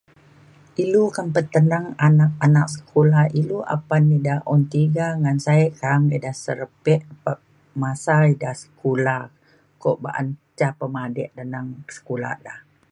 ilu akan peteneng anak anak sekolah ilu apan ida un tiga ngan sa'e ke amekda da serepik masa eda sekula ukuk baan ca pemadik le neng sekula le.